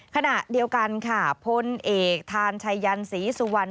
ขณะเดียวกันค่ะพลเอกทานชัยยันศรีสุวรรณ